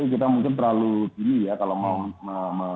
kita mungkin terlalu dini ya kalau mau